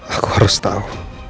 aku harus tau